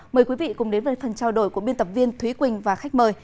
mời quý vị cùng đến với phần trao đổi của biên tập viên thúy quỳnh và khách mời